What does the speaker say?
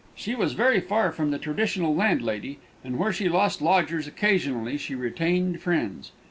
She was very far from the traditional landlady, and where she lost lodgers occasionally she retained friends.